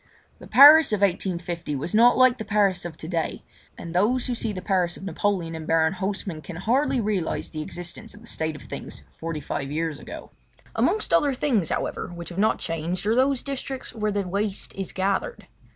The Paris of 1850 was not like the Paris of to day, and those who see the Paris of Napoleon and Baron Hausseman can hardly realise the existence of the state of things forty five years ago. Amongst other things, however, which have not changed are those districts where the waste is gathered.